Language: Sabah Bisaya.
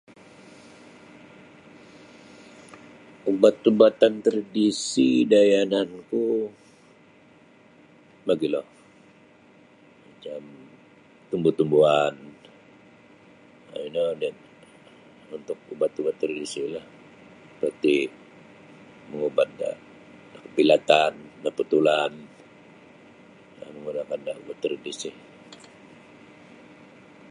Ubat-ubatan tradisi da yanan ku magilo macam tumbuh tumbuhan ino ni untuk ubat-ubat tradisi la seperti mangubat da kapilatan naputan manggunakan ubat tradisi.